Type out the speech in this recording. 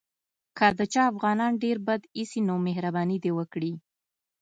که د چا افغانان ډېر بد ایسي نو مهرباني دې وکړي.